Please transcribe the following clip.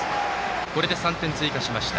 これで３点追加しました。